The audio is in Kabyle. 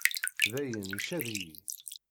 Dayen, icaḍ-iyi.